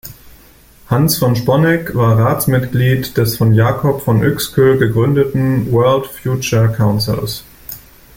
Hans von Sponeck war Ratsmitglied des von Jakob von Uexküll gegründeten World Future Councils.